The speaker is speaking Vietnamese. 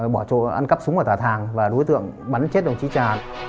bỏ trộn ăn cắp súng ở tà thàng và đối tượng bắn chết đồng chí trà